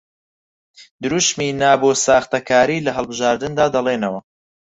دروشمی نا بۆ ساختەکاری لە هەڵبژاردندا دەڵێنەوە